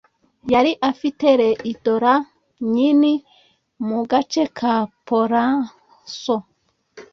yari afite reitora nyinhi mu gace ka Polanco